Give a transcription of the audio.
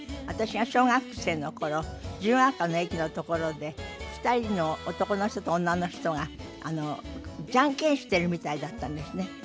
私が小学生の頃自由が丘の駅のところで２人の男の人と女の人がジャンケンしているみたいだったんですね。